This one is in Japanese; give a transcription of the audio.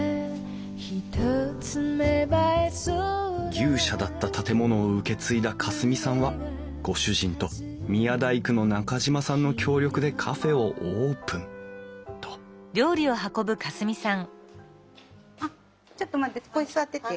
「牛舎だった建物を受け継いだ夏澄さんはご主人と宮大工の中島さんの協力でカフェをオープン」とここに座ってて。